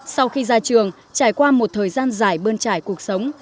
sau khi ra trường trải qua một thời gian dài bơn trải cuộc sống